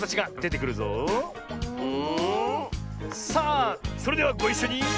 さあそれではごいっしょに！